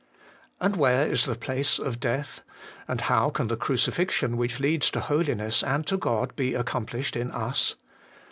1 And where is the place of death ? And how can the crucifixion which leads to Holiness and to God be accomplished in us